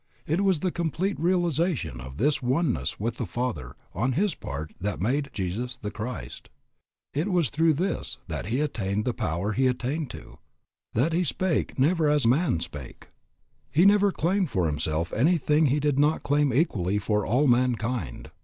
It was the complete realization of this oneness with the Father on his part that made Jesus the Christ. It was through this that he attained to the power he attained to, that he spake as never man spake. He never claimed for himself anything that he did not claim equally for all mankind.